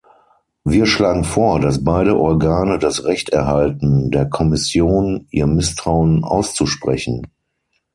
Wir schlagen vor, dass beide Organe das Recht erhalten, der Kommission ihr Misstrauen auszusprechen.